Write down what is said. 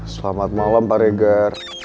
selamat malam pak regar